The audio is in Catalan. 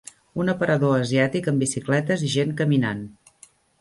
Un aparador asiàtic amb bicicletes i gent caminant.